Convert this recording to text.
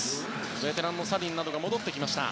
ベテランのサリンなどが戻ってきました。